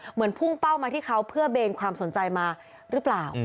พุ่งเป้ามาที่เขาเพื่อเบนความสนใจมาหรือเปล่า